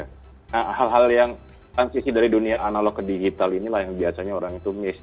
nah hal hal yang transisi dari dunia analog ke digital inilah yang biasanya orang itu miss